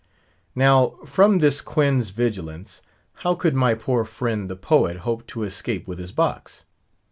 Now, from this Quoin's vigilance, how could my poor friend the poet hope to escape with his box?